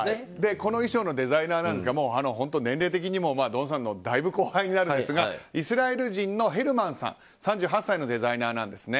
この衣装のデザイナーですが年齢的にもドンさんのだいぶ後輩になるんですがイスラエル人のヘルマンさん３８歳のデザイナーなんですね。